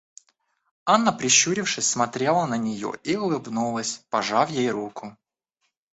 Анна прищурившись смотрела на нее и улыбнулась, пожав ей руку.